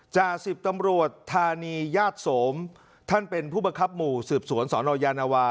จ่าสิบตำรวจธานีญาติโสมท่านเป็นผู้บังคับหมู่สืบสวนสนยานวา